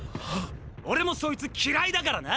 俺もそいつ嫌いだからな！